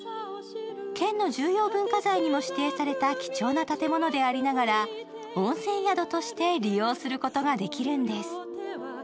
県の重要文化財にも指定された貴重な建物でありながら温泉宿として利用することができるんです。